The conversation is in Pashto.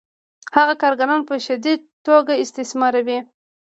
هغه کارګران په شدیده توګه استثماروي